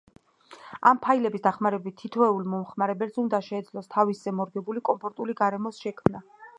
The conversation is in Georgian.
ამ ფაილების დახმარებით თითოეულ მომხმარებელს უნდა შეეძლოს თავისზე მორგებული, კომფორტული გარემოს შექმნა.